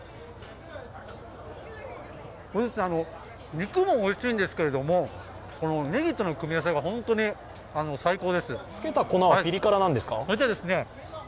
肉もおいしいんですけどねぎとの組み合わせがつけた粉はピリ辛なんですか？